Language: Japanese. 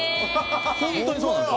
本当にそうなんですよ。